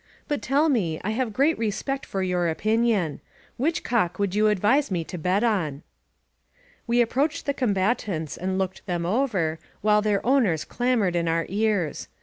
But tdl me; I haire great re spect for your opinion. Whidi cock would yon advise me to bet on?^ We approached the combatants and looked them over, nhile their o w ners clamored in our ears.